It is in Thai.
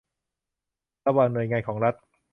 ระหว่างหน่วยงานของรัฐ